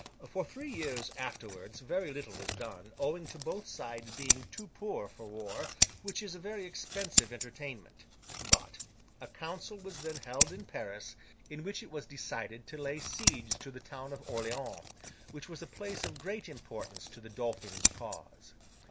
For three years afterwards very little was done, owing to both sides being too poor for war, which is a very expensive entertainment; but, a council was then held in Paris, in which it was decided to lay siege to the town of Orleans, which was a place of great importance to the Dauphin's cause.